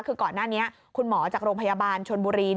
คือก่อนหน้านี้คุณหมอจากโรงพยาบาลชนบุรี